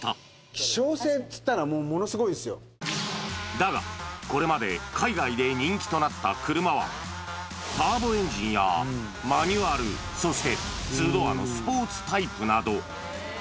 希少性っつったら、ものすごだが、これまで海外で人気となった車は、ターボエンジンやマニュアル、そして２ドアのスポーツタイプなど。